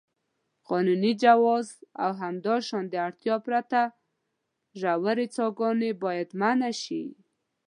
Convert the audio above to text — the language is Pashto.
قانوني جواز او همداشان د اړتیا پرته ژورې څاګانې باید منع شي.